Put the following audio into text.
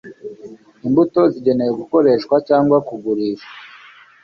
imbuto zigenewe gukoreshwa cyangwa kugurishwa